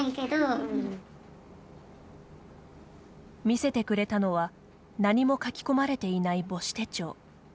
見せてくれたのは何も書き込まれていない母子手帳。